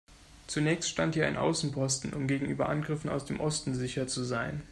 Zunächst stand hier ein Außenposten, um gegenüber Angriffen aus dem Osten sicher zu sein.